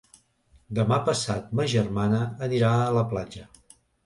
Demà passat ma germana anirà a la platja.